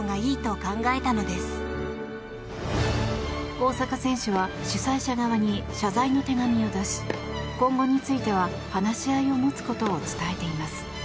大坂選手は主催者側に謝罪の手紙を出し今後については、話し合いを持つことを伝えています。